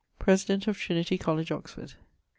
<_President of Trinity College, Oxford.